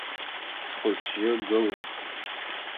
Схәы-сжьы гылон.